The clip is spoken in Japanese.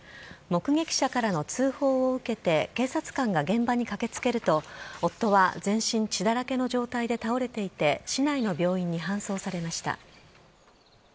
目撃者からの通報を受けて、警察官が現場に駆けつけると、夫は全身血だらけの状態で倒れていて、市内の病院に搬送されました。